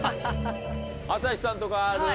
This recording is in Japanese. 朝日さんとかある？